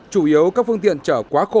chủ yếu các phương tiện chở quá khổ